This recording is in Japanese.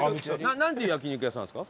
なんていう焼肉屋さんですか？